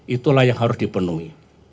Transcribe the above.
itulah yang harus dipenuhi